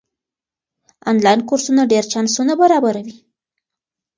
آنلاین کورسونه ډېر چانسونه برابروي.